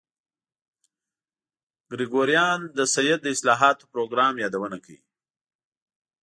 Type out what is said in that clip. ګریګوریان د سید د اصلاحاتو پروګرام یادونه کوي.